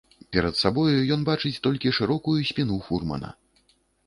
Перад сабою ён бачыць толькі шырокую спіну фурмана.